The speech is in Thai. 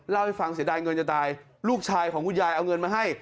เล่าให้ฟังเสียดายเงินจะตายลูกชายของคุณยายเอาเงินมาให้